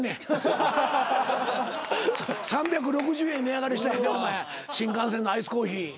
３６０円に値上がりしたんやで新幹線のアイスコーヒー。